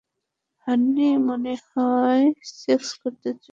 Horne, মনেহয় sex করতে চায়।